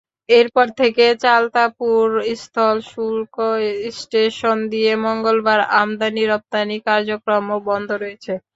এরপর থেকে চাতলাপুর স্থল শুল্ক স্টেশন দিয়ে মঙ্গলবার আমদানি-রপ্তানি কার্যক্রমও বন্ধ রয়েছে।